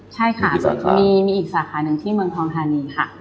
ใช่ค่ะมีอีกสาขาหนึ่งที่เมืองทองทานีค่ะ